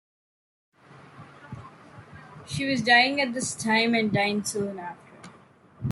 She was dying at this time and died soon after.